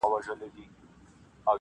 نه یې خدای او نه یې خلګو ته مخ تور سي,